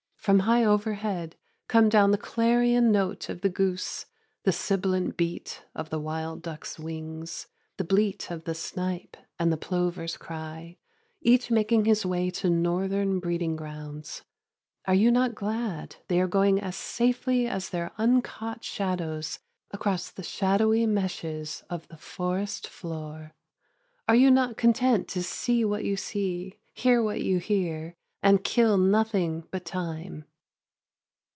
From high overhead come down the clarion note of the goose, the sibilant beat of the wild ducks' wings, the bleat of the snipe and the plover's cry, each making his way to northern breeding grounds. Are you not glad they are going as safely as their uncaught shadows that sweep swiftly across the shadowy meshes of the forest floor? Are you not content to see what you see, hear what you hear, and kill nothing but time?